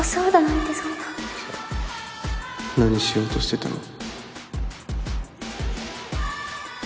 何しようとしてたの？